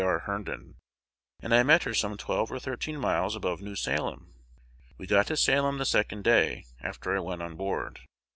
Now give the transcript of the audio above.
R. Herndon, "and I met her some twelve or thirteen miles above New Salem.... We got to Salem the second day after I went on board.